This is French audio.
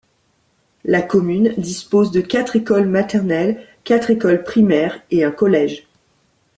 La commune dispose de quatre écoles maternelles, quatre écoles primaires, et un collège.